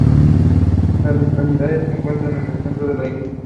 La localidad se encuentra en el centro de la isla.